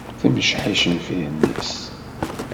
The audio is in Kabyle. Temceḥ icenfiren-is.